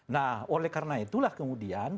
nah oleh karena itulah kemudian